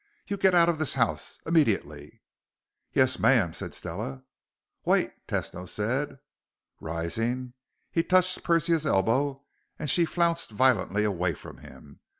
"You get out of this house! Immediately!" "Yes, ma'am," Stella said. "Wait," Tesno said. Rising, he touched Persia's elbow, and she flounced violently away from him.